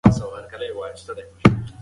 زه به ستا د راتلو په لاره کې ولاړ یم.